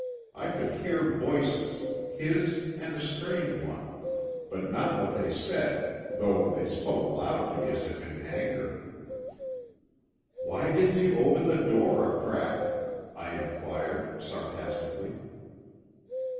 I could hear voices, his and a strange one, but not what they said, though they spoke loudly as if in anger." "Why didn't you open the door a crack?" I inquired sarcastically.